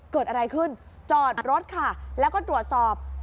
เกิดอะไรขึ้นจอดรถค่ะแล้วก็ตรวจสอบ